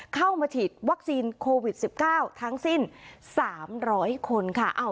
เข้ามาฉีดวัคซีนโควิด๑๙ทั้งสิ้น๓๐๐คนค่ะ